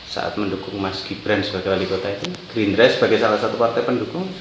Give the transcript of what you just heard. saat mendukung mas gibran sebagai wali kota itu gerindra sebagai salah satu partai pendukung